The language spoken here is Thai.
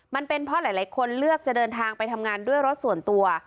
มันเป็นเพราะหลายคนเลือกจะเดินทางไปทำงานด้วยรถส่วนตัว